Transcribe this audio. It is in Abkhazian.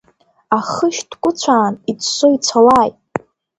Ахы шьҭкәыцәаан иӡсо, ицалааит!